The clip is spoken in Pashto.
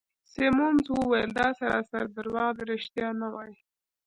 سیمونز وویل: دا سراسر درواغ دي، ریښتیا نه وایې.